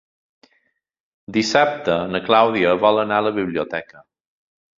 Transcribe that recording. Dissabte na Clàudia vol anar a la biblioteca.